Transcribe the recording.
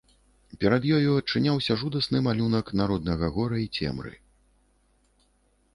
Перад ёю адчыняўся жудасны малюнак народнага гора й цемры.